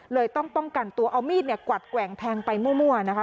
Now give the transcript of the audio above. เลยต้องป้องกันตัวเอามีดเนี่ยกวัดแกว่งแทงไปมั่วนะคะ